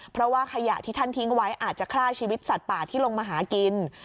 เพราะว่าขยะที่ท่านทิ้งไว้อาจจะฆ่าชีวิตสัตว์ป่าที่ลงมาหากิน